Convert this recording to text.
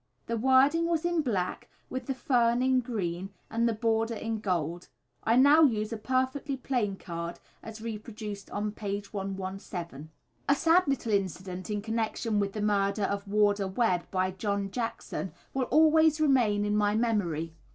The wording was in black, with the fern in green, and the border in gold. I now use a perfectly plain card, as reproduced on page 117. A sad little incident in connection with the murder of Warder Webb by John Jackson will always remain in my memory.